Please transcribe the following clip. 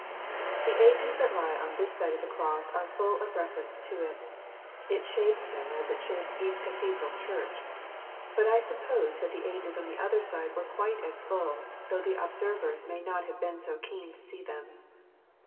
The ages that lie on this side of the cross are full of references to it — it shapes them as it shapes each cathedral church j but I suppose that the ages on the other side were quite as full, though the observers may not have been so keen to see them.